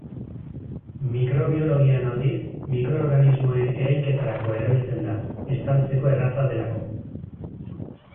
Mikrobiologian aldiz, mikroorganismoen ereinketarako erabiltzen da, estaltzeko erraza delako.